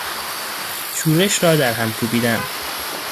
شورش را در هم کوبیدن